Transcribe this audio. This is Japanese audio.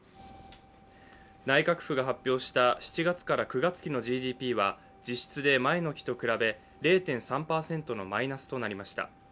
内閣府が発表した７月から９月期のＧＤＰは実質で前の期と比べ０．３％のマイナスとなりました。